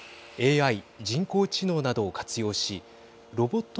ＡＩ＝人工知能などを活用しロボット